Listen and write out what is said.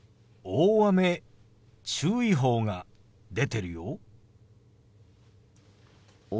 大雨注意報が出てるよ。